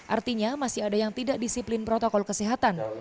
artinya masih ada yang tidak disiplin protokol kesehatan